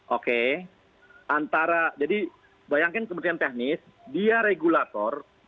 oke antara jadi bayangkan kementerian teknis dia regulator